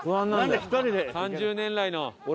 ３０年来の。